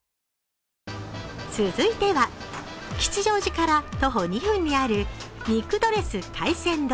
続いては吉祥寺から徒歩２分にある肉ドレス海鮮丼。